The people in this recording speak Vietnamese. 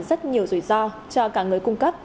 rất nhiều rủi ro cho cả người cung cấp